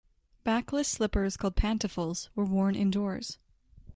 Backless slippers called "pantofles" were worn indoors.